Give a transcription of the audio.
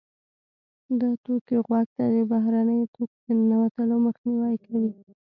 دا توکي غوږ ته د بهرنیو توکو د ننوتلو مخنیوی کوي.